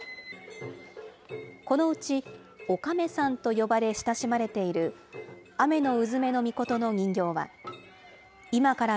このうちおかめさんと呼ばれ親しまれている、天鈿女命の人形は、今から